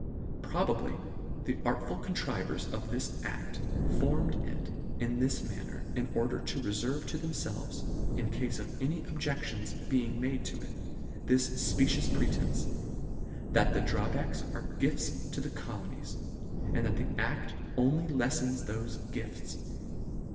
Probably, the artful contrivers of this act formed it in this manner, in order to referve to themfelves, in cafe of any objections be ing made to it, this fpecious pretence —" That the drawbacks are gifts to the co " lonies; and that the acl: only lefTens thofe " gifts."